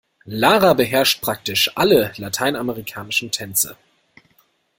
Lara beherrscht praktisch alle lateinamerikanischen Tänze.